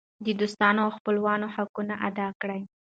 د دوستانو او خپلوانو حقونه ادا کړئ.